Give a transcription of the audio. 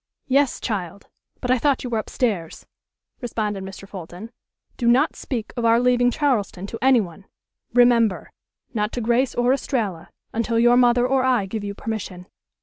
"Yes, child. But I thought you were upstairs," responded Mr. Fulton. "Do not speak of our leaving Charleston to anyone. Remember. Not to Grace or Estralla, until your mother or I give you permission."